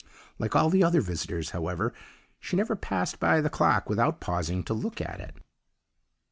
"Like all the other visitors, however, she never passed by the clock without pausing to look at it.